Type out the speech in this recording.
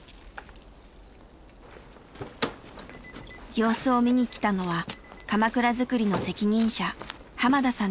様子を見に来たのはかまくら作りの責任者濱田さんでした。